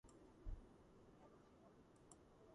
თავად კონსოლი და მისი თამაშები იაპონიის გარეთ არ გამოცემული.